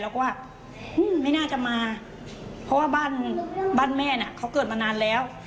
แล้วก็ว่าไม่น่าจะมาเพราะว่าบ้านบ้านแม่น่ะเขาเกิดมานานแล้ว